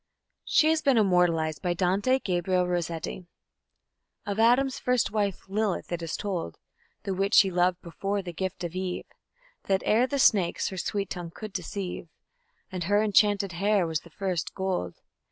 She has been immortalized by Dante Gabriel Rossetti: Of Adam's first wife Lilith, it is told (The witch he loved before the gift of Eve) That, ere the snake's, her sweet tongue could deceive, And her enchanted hair was the first gold.